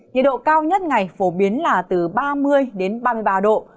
nhiệt độ cao nhất ngày phổ biến là từ ba mươi đến ba mươi ba độ